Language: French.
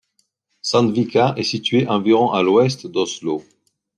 Sandvika est situé à environ à l'ouest d'Oslo.